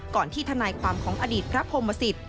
ก่อนที่ธนายความของอดีตพระพรมศิษฐ์